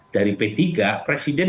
dari p tiga presiden